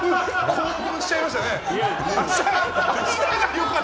興奮しちゃいましたね。